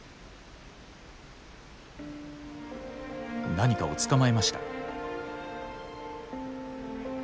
何かを捕まえました。